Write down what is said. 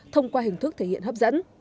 thông qua hình thức thể hiện hấp dẫn